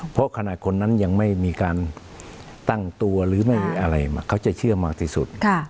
เพราะขณะคนนั้นยังไม่มีการตั้งตัวหรือไม่อะไรเขาจะเชื่อมากที่สุด